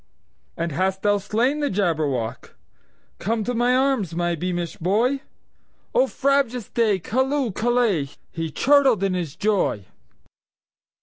"And hast thou slain the Jabberwock? Come to my arms, my beamish boy!O frabjous day! Callooh! Callay!"He chortled in his joy.